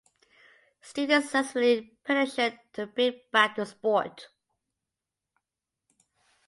Students successfully petitioned to bring back the sport.